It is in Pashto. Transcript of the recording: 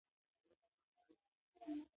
پر ډوډۍ یې اچوم